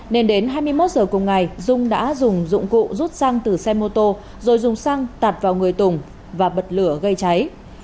nên đến hai mươi một giờ cùng ngày dung đã dùng dụng cụ rút xăng từ xe mô tô rồi dùng xăng tạt vào người tùng và bật lửa gây cháy